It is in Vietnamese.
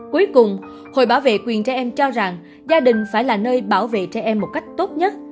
cuối cùng hội bảo vệ quyền trẻ em cho rằng gia đình phải là nơi bảo vệ trẻ em một cách tốt nhất